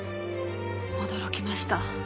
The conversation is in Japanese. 驚きました。